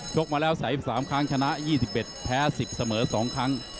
กมาแล้ว๓๓ครั้งชนะ๒๑แพ้๑๐เสมอ๒ครั้ง